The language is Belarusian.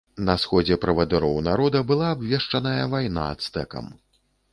На сходзе правадыроў народа была абвешчаная вайна ацтэкам.